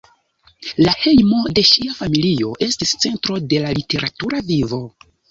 La hejmo de ŝia familio estis centro de la literatura vivo.